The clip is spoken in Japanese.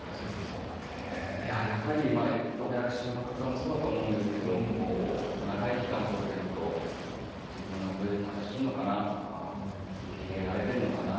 どの役者の方もそうだと思うんですけれど長い期間撮っていると自分はこれで正しいのかな受け入れられているのかな